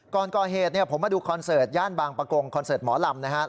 ก่อนก่อเหตุผมมาดูคอนเสิร์ตย่านบางประกงคอนเสิร์ตหมอลำนะครับ